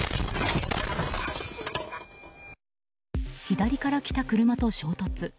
左から来た車と衝突。